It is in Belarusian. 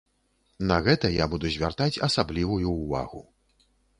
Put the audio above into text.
На гэта я буду звяртаць асаблівую ўвагу.